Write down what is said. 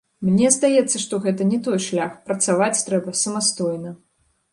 Мне здаецца, што гэта не той шлях, працаваць трэба самастойна.